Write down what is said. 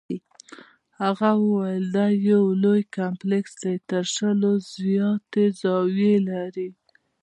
هغه وویل دا یو لوی کمپلیکس دی او تر شلو زیاتې زاویې لري.